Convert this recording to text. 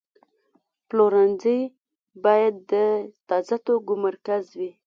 پلورنځی باید د تازه توکو مرکز وي.